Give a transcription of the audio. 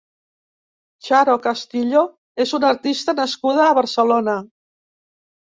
Xaro Castillo és una artista nascuda a Barcelona.